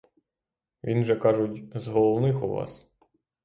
Він же, кажуть, з головних у вас.